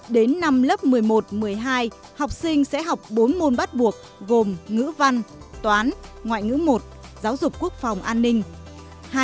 đến năm lớp một mươi một một mươi hai học sinh sẽ học bốn môn bắt buộc gồm ngữ văn toán ngoại ngữ một giáo dục quốc phòng an ninh